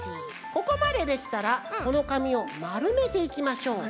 ここまでできたらこのかみをまるめていきましょう。